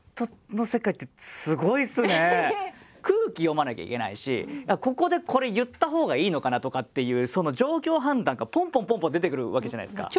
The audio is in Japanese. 空気読まなきゃいけないしここでこれ言ったほうがいいのかなとかっていうその状況判断がぽんぽんぽんぽん出てくるわけじゃないですか。